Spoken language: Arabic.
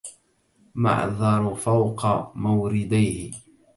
معذر فوق مورديه